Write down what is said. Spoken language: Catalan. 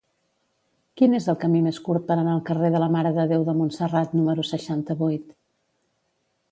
Quin és el camí més curt per anar al carrer de la Mare de Déu de Montserrat número seixanta-vuit?